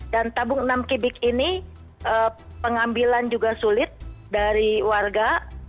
dan tabung enam kubik ini pengambilan juga sulit dari warga